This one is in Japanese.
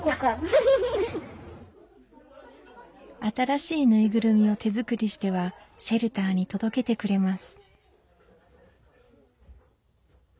新しい縫いぐるみを手作りしてはシェルターに届けてくれます。